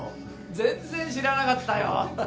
全然知らなかったよ。